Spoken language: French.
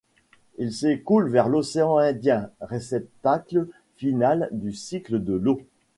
Il s'écoule vers l'océan Indien, réceptacle final du cycle de l'eau.